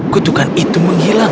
kutukan itu menghilang